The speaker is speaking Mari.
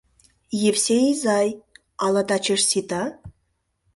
— Евсей изай, ала тачеш сита?..